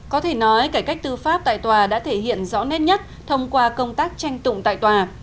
có thể nói cải cách tư pháp tại tòa đã thể hiện rõ nét nhất thông qua công tác tranh tụng tại tòa